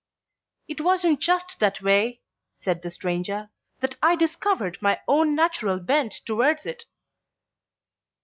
"It was in just that way," said the stranger, "that I discovered my own natural bent towards it."